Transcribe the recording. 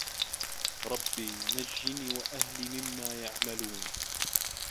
رَبِّ نَجِّني وَأَهلي مِمّا يَعمَلونَ